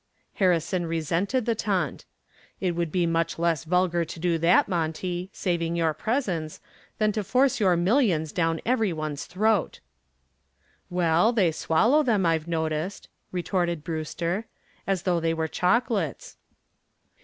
Harrison resented the taunt. "It would be much less vulgar to do that, Monty, saving your presence, than to force your millions down every one's throat." "Well, they swallow them, I've noticed," retorted Brewster, "as though they were chocolates."